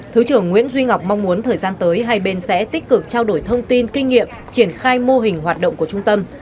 thứ trưởng nguyễn duy ngọc mong muốn thời gian tới hai bên sẽ tích cực trao đổi thông tin kinh nghiệm triển khai mô hình hoạt động của trung tâm